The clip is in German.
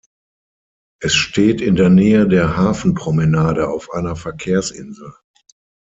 Es steht in der Nähe der Hafenpromenade auf einer Verkehrsinsel.